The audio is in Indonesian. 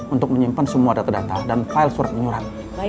untuk menyimpan semua data data dan file surat pengurangan